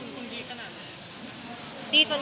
หรอหุ่นดีขนาดไหน